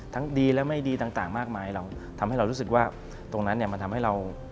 ดีและไม่ดีต่างมากมายเราทำให้เรารู้สึกว่าตรงนั้นเนี่ยมันทำให้เรา